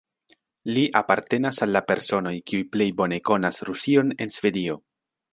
Li apartenas al la personoj, kiuj plej bone konas Rusion en Svedio.